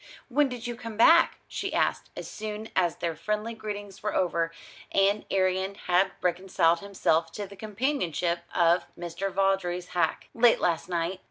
"When did you come back?" she asked, as soon as their friendly greetings were over, and Arion had reconciled himself to the companionship of Mr. Vawdrey's hack. "Late last night."